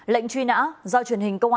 lệnh truy nã do truyền hình công an